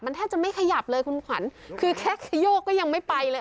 แทบจะไม่ขยับเลยคุณขวัญคือแค่ขโยกก็ยังไม่ไปเลย